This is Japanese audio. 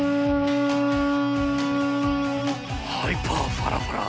ハイパーファラボラー。